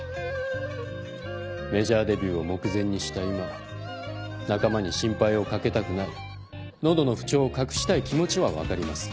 メジャーデビューを目前にした今仲間に心配をかけたくない喉の不調を隠したい気持ちは分かります。